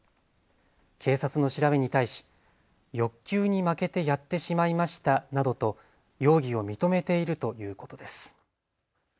警察の調べに対し、欲求に負けてやってしまいましたなどと容疑を認めているということです。